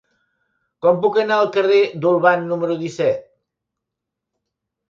Com puc anar al carrer d'Olvan número disset?